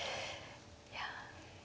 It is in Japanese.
いや。